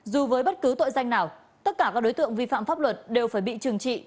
dù với bất cứ tội danh nào tất cả các đối tượng vi phạm pháp luật đều phải bị trừng trị